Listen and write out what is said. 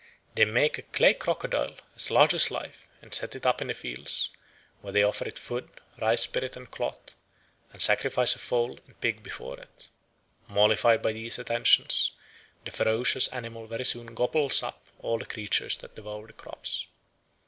They make a clay crocodile as large as life and set it up in the fields, where they offer it food, rice spirit, and cloth, and sacrifice a fowl and a pig before it. Mollified by these attentions, the ferocious animal very soon gobbles up all the creatures that devour the crops.